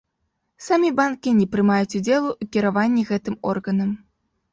Самі банкі не прымаюць удзелу ў кіраванні гэтым органам.